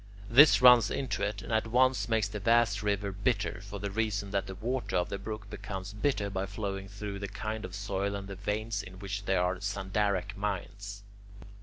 This runs into it, and at once makes that vast river bitter, for the reason that the water of the brook becomes bitter by flowing through the kind of soil and the veins in which there are sandarach mines.